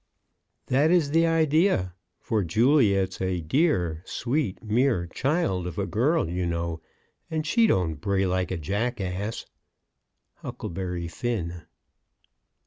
That is the idea; for Juliet's a dear, sweet, mere child of a girl, you know, and she don't bray like a jackass. _Huckleberry Finn.